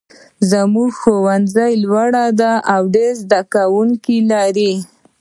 زمونږ ښوونځی لوی ده او ډېر زده کوونکي لري